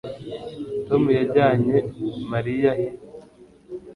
Tom yajyanye Mariya he